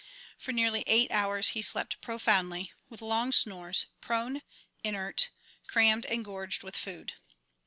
For nearly eight hours he slept profoundly, with long snores, prone, inert, crammed and gorged with food.